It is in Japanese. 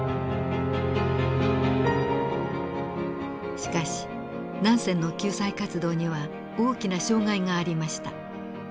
しかしナンセンの救済活動には大きな障害がありました。